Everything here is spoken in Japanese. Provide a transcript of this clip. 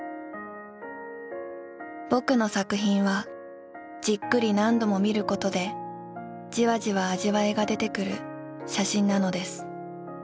「ぼくの作品はじっくり何度も見ることでじわじわ味わいがでてくる写真なのです。